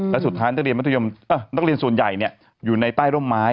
และสุดท้ายนักเรียนส่วนใหญ่อยู่ในใต้ร่มไม้